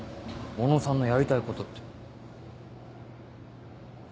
小野さんのやりたいことって。